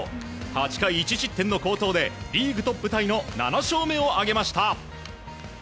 ８回１失点の好投でリーグトップタイの７勝目を挙げました。